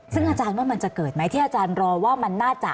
ซึ่งอาจารย์ว่ามันจะเกิดไหมที่อาจารย์รอว่ามันน่าจะ